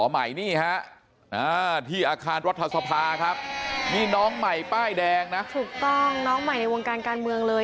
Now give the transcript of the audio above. ที่อาคารรัฐสภาครับนี่น้องใหม่ป้ายแดงนะถูกต้องน้องใหม่ในวงการการเมืองเลย